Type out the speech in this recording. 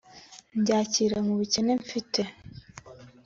mbyakira mu bukene mfite